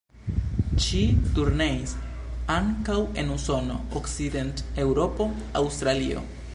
Ŝi turneis ankaŭ en Usono, Okcident-Eŭropo, Aŭstralio.